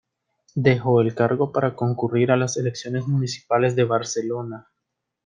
Dejó el cargo para concurrir a las elecciones municipales de Barcelona.